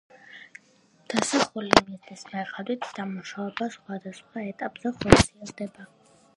დასახული მიზნის მიხედვით დამუშავება სხვადასხვა ეტაპზე ხორციელდება.